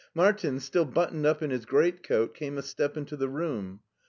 Martin, still but toned up in his great coat, came a step into the room.